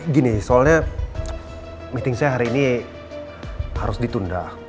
gini soalnya meeting saya hari ini harus ditunda